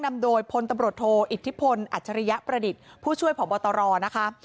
นำโดยพลตำรวจโทอิทธิพลอัจฉริยประดิษฐ์ผู้ช่วยผอบตรนะคะ